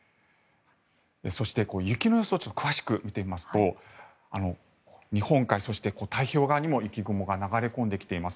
そして、雪の予想を詳しく見てみますと日本海そして太平洋側にも雪雲が流れ込んできています。